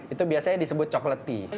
itu biasanya disebut chocolate tea